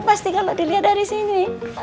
pasti kalau dilihat dari sini